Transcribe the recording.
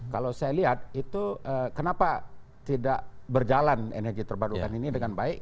kalau saya lihat itu kenapa tidak berjalan energi terbarukan ini dengan baik